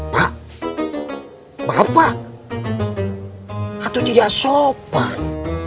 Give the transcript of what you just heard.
pak bapak atau tidak sopan